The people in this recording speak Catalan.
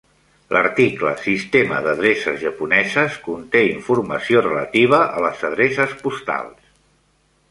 L'article "Sistema d'adreces japoneses" conté informació relativa a les adreces postals.